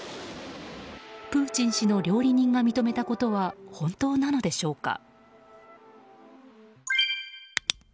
プーチン氏の料理人が認めたことは本当なのでしょうか。